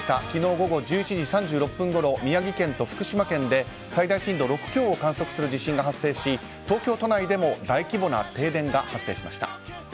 昨日午後１１時３６分ごろ宮城県と福島県で最大震度６強を観測する地震が発生し、東京都内でも大規模な停電が発生しました。